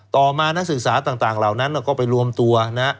ต่อมานักศึกษาต่างเหล่านั้นก็ไปรวมตัวนะ